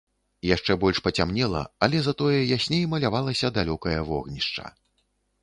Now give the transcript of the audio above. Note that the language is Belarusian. Яшчэ больш пацямнела, але затое ясней малявалася далёкае вогнішча.